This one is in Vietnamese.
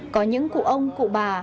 có những cụ ông cụ bà